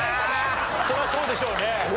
そりゃそうでしょうね。